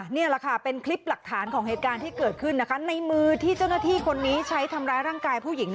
นี่แหละค่ะเป็นคลิปหลักฐานของเหตุการณ์ที่เกิดขึ้นนะคะในมือที่เจ้าหน้าที่คนนี้ใช้ทำร้ายร่างกายผู้หญิง